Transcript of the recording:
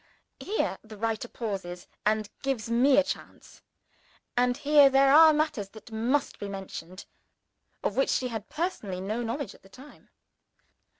Here the writer pauses, and gives me a chance; and here there are matters that must be mentioned, of which she had personally no knowledge at the time.